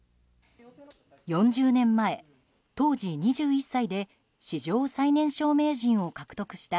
４０年前、当時２１歳で史上最年少名人を獲得した